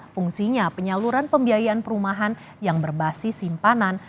fungsinya penyaluran pembiayaan perumahan yang berbasis simpanan